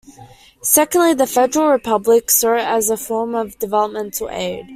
Secondly, the Federal Republic saw it as a form of developmental aid.